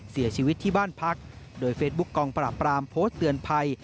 เสียชีวิตที่บ้านพักโดยเฟซบุ๊คกองปราบปรามโพสต์เตือนภัย